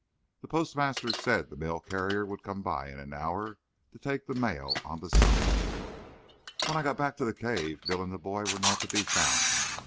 The postmaster said the mail carrier would come by in an hour to take the mail on to Summit. When I got back to the cave Bill and the boy were not to be found.